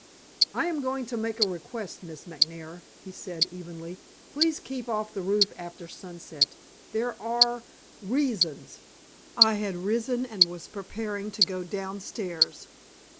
"I am going to make a request, Miss McNair," he said evenly. "Please keep off the roof after sunset. There are reasons." I had risen and was preparing to go downstairs.